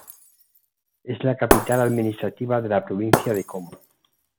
Es la capital administrativa de la Provincia de Como.